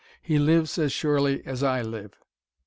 He lives as surely as I live!"